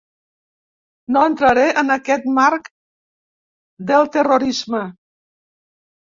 No entraré en aquest marc del terrorisme.